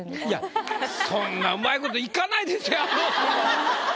いやそんなうまい事いかないですよ